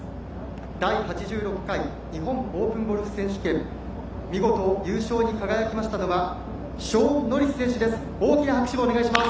第８６回日本オープンゴルフ選手権見事に優勝に輝きましたのはショーン・ノリス選手です。